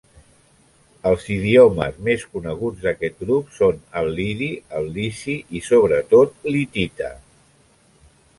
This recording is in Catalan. Els idiomes més coneguts d'aquest grup són el lidi, el lici, i, sobretot l'hitita.